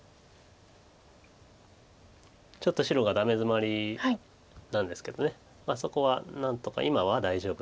ちょっと白がダメヅマリなんですけどそこは何とか今は大丈夫ということです。